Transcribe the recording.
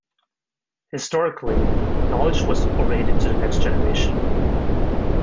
Historically, knowledge was orated to the next generation.